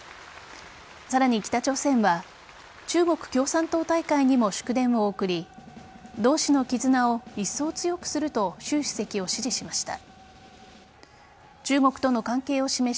さらに北朝鮮は中国共産党大会にも祝電を送り同志の絆をいっそう強くすると習主席を支持しました。